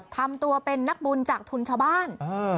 ทำตัวเป็นนักบุญจากทุนชาวบ้าน